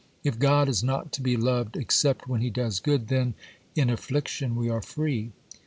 If God is not to be loved except when He does good, then in affliction we are free.